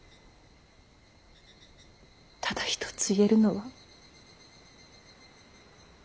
ただ一つ言えるのは。